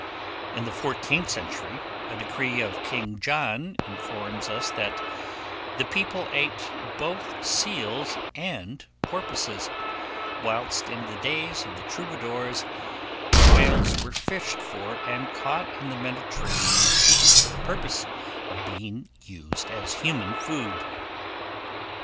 In the fourteenth century, a decree of King John informs us that the people ate both seals and porpoises; whilst in the days of the Troubadours, whales were fished for and caught in the Mediterranean Sea, for the purpose of being used as human food.